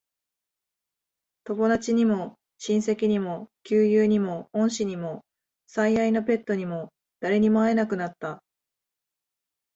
友達にも、親戚にも、旧友にも、恩師にも、最愛のペットにも、誰にも会えなくなった。